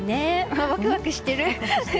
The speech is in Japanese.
あ、ワクワクしてる。